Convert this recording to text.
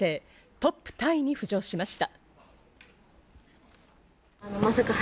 トップタイに浮上しました。